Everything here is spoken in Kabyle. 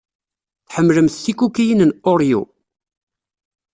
Tḥemmlemt tikukiyin n Oreo?